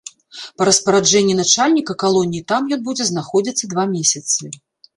Па распараджэнні начальніка калоніі там ён будзе знаходзіцца два месяцы.